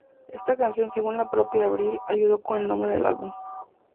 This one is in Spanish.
Esta canción según la propia Avril, ayudó con el nombre del álbum.